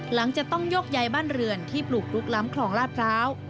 หลังจากต้องยกย้ายบ้านเรือนที่ปลูกลุกล้ำคลองลาดพร้าว